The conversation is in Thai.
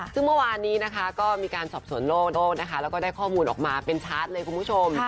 ซึ่งเมื่อวานนี้นะคะก็มีการสอบสวนโลกนะคะแล้วก็ได้ข้อมูลออกมาเป็นชาร์จเลยคุณผู้ชม